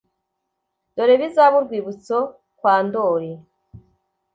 dore bizabe urwibutso kwa ndoli